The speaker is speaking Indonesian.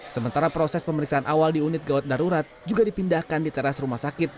sementara proses pemeriksaan awal di unit gawat darurat juga dipindahkan di teras rumah sakit